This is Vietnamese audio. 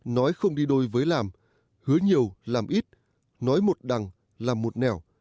nói không đi đôi với làm hứa nhiều làm ít nói một đằng làm một nẻo